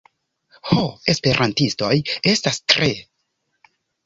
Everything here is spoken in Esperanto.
ho, esperantistoj estas tre...